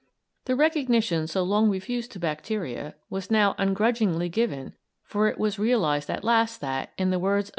The recognition so long refused to bacteria was now ungrudgingly given, for it was realised at last that, in the words of M.